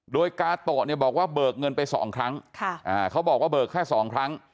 โดยกาโตะบอกว่าเบิกเงินไป๒ครั้งเขาบอกว่าเบิกแค่๒ครั้ง